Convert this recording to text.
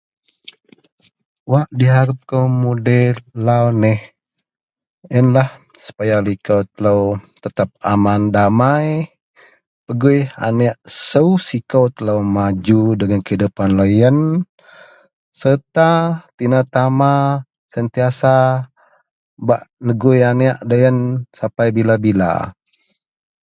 wak diharap kou mudei lau neh yenlah supaya liko telou tetap aman damai pegui aneak sou sikou telou maju dagen kehidupan loyien serta tina tama sentiasa bak negui aneak loyien sapai bila-bila